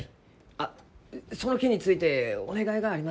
あっその件についてお願いがあります